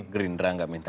gerindra tidak minta